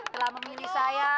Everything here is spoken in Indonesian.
telah memilih saya